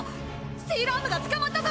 セイラームが捕まったぞ！